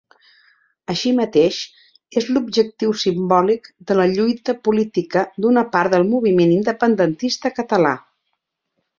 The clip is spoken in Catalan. Així mateix, és l'objectiu simbòlic de la lluita política d'una part del moviment independentista català.